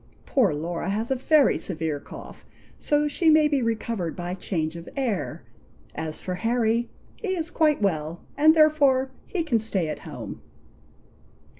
Poor Laura has a very severe cough, so she may be recovered by change of air. As for Harry, he is quite well, and therefore he can stay at home."